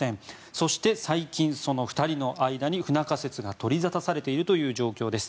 そして、最近その２人の間に不仲説が取り沙汰されているという状況です。